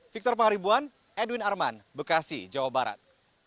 victor pangaribuan edwin arman bekasi jawa barat